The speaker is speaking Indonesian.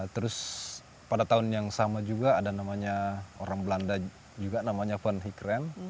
terus pada tahun yang sama juga ada namanya orang belanda juga namanya fun hikren